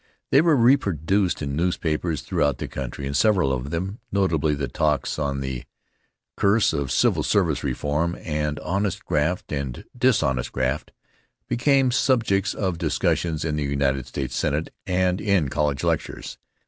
They were reproduced in newspapers throughout the country and several of them, notably the talks on "The Curse of Civil Service Reform" and "Honest Graft and Dishonest Graft," became subjects of discussion in the United States Senate and in college lectures.